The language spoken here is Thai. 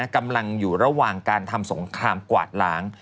กำลังอยู่ระหว่างการทำสงครามกวาดล้าง